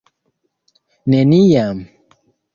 neniam